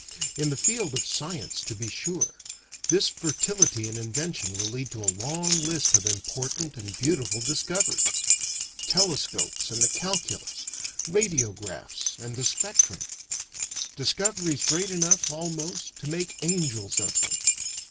In the field of science to be sure, this fertility in invention will lead to a long list of important and beautiful discoveries: telescopes and the calculus, radiographs, and the spectrum. Discoveries great enough, almost, to make angels of them.